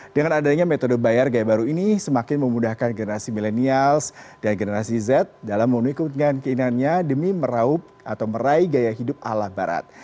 dengan adanya metode bayar gaya baru ini semakin memudahkan generasi milenials dan generasi z dalam mengikutkan keinginannya demi meraup atau meraih gaya hidup ala barat